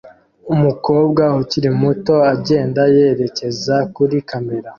Umukobwa ukiri muto agenda yerekeza kuri kamera